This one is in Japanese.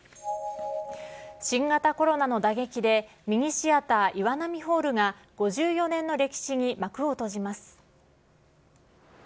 新型コロナの打撃で、ミニシアター、岩波ホールが５４年の歴史に幕を閉じます。